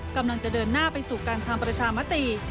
กำลังจะเดินหน้าไปสู่การทำประชามติ